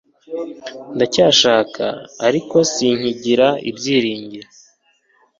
ndacyashaka ... ariko sinkigira ibyiringiro